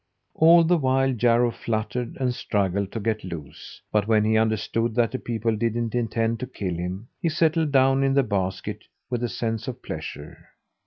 All the while Jarro fluttered and struggled to get loose; but when he understood that the people didn't intend to kill him, he settled down in the basket with a sense of pleasure.